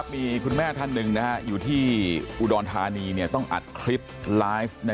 มีคุณแม่ท่านหนึ่งอยู่ที่อุดรธานีต้องอัดคลิปไลฟ์